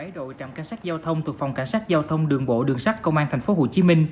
một mươi bảy đội trạm cảnh sát giao thông thuộc phòng cảnh sát giao thông đường bộ đường sát công an tp hcm